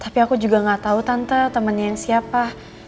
tapi aku juga gak tau tante temennya siapa